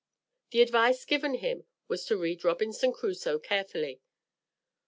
The advice given him was to read Robinson Crusoe carefully.